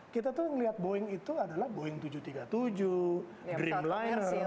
kita tuh ngelihat boeing itu adalah boeing tujuh ratus tiga puluh tujuh dreamliner